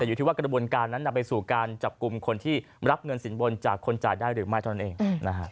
อยู่ที่ว่ากระบวนการนั้นนำไปสู่การจับกลุ่มคนที่รับเงินสินบนจากคนจ่ายได้หรือไม่เท่านั้นเองนะฮะ